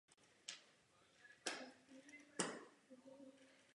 Roste v létě a na podzim ve velkých skupinách.